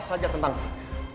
saya saja tentang si